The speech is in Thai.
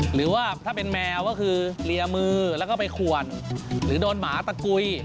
หรือว่าถ้าเป็นแมวก็คือเรียมือแล้วก็ไปขวนหรือโดนหมาตะกุย